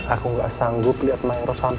aku gak sanggup liat mayro sampai meneteskan air mata